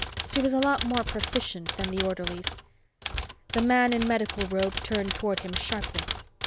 She was a lot more proficient than the orderlies. The man in medical robe turned toward him sharply.